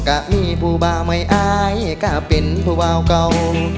ก็มีผู้บ้าไม่อายก็เป็นผู้วาวเก่า